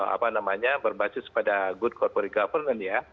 apa namanya berbasis pada good corporate government ya